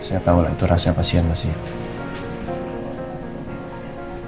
saya tahu lah itu rahasia pasien pasien